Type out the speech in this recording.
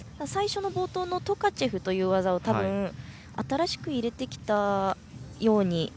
ただ冒頭のトカチェフという技を新しく入れてきたように。